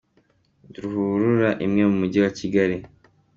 Ruhurura imwe mu Mujyi wa Kigali.